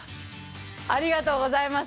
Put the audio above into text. ありがとうございます。